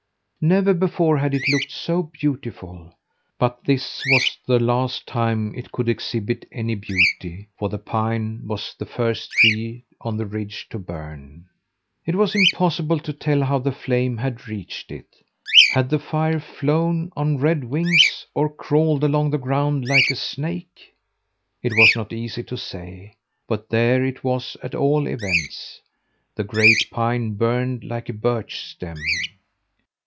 Never before had it looked so beautiful! But this was the last time it could exhibit any beauty, for the pine was the first tree on the ridge to burn. It was impossible to tell how the flames had reached it. Had the fire flown on red wings, or crawled along the ground like a snake? It was not easy to say, but there it was at all events. The great pine burned like a birch stem.